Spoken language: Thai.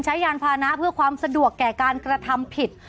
ยานพานะเพื่อความสะดวกแก่การกระทำผิด